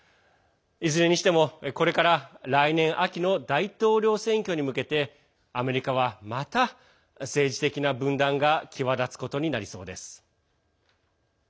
いずれにしても、これから来年秋の大統領選挙に向けてアメリカは、また政治的な分断が際立つことになりそうです。